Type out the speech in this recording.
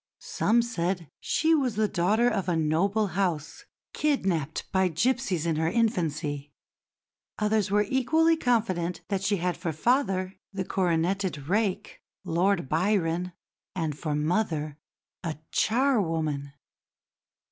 Some said she was the daughter of a noble house, kidnapped by gipsies in her infancy; others were equally confident that she had for father the coroneted rake, Lord Byron, and for mother a charwoman.